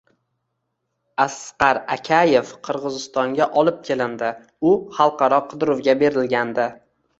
Asqar Akayev Qirg‘izistonga olib kelindi. U xalqaro qidiruvga berilgandi